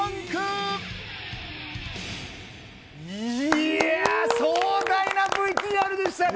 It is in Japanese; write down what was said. いやあ、壮大なＶＴＲでしたね。